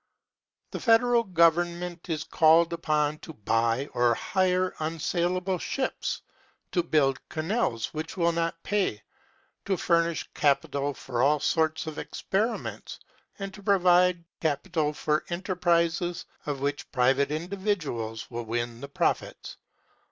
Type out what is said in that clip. The Federal Government is called upon to buy or hire unsalable ships, to build canals which will not pay, to furnish capital for all sorts of experiments, and to provide capital for enterprises of which private individuals will win the profits.